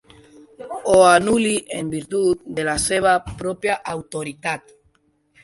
Ho anul·li en virtut de la seva pròpia autoritat.